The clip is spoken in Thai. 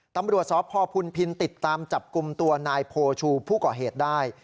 ตำรวจสพพุนพินติดตามจับกลุ่มตัวนายโพชูผู้ก่อเหตุได้